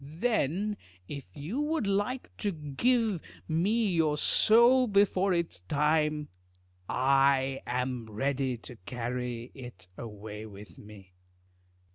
Then if you would like to give me your soul before its time, I am ready to carry it away with me.